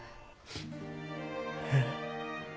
えっ。